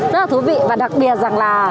rất là thú vị và đặc biệt rằng là